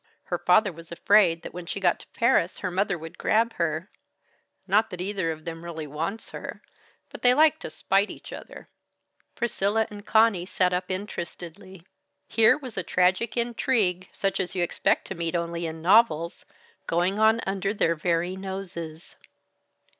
Her father was afraid that when she got to Paris, her mother would grab her not that either of them really wants her, but they like to spite each other." Priscilla and Conny sat up interestedly. Here was a tragic intrigue, such as you expect to meet only in novels, going on under their very noses.